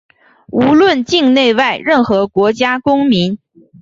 无论境内外、任何国家公民